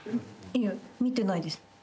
いや見てないです。